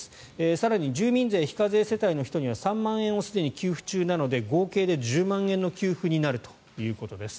更に住民税非課税世帯の人には３万円をすでに給付中なので合計で１０万円の給付になるということです。